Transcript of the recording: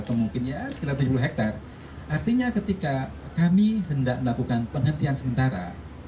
atau mungkin ya sekitar tujuh puluh hektare artinya ketika kami hendak melakukan penghentian sementara